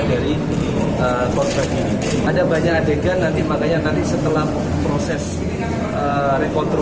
kami berhasil menyelesaikan perkembangan yang berhasil diperlukan oleh kota